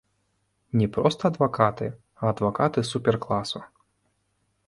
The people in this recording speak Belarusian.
Не проста адвакаты, а адвакаты супер-класу.